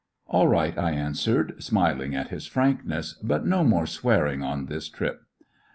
"All right," I answered, smiling at his frankness; "but no more swearing on this trip."